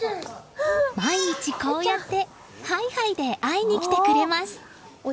毎日、こうやってハイハイで会いに来てくれます。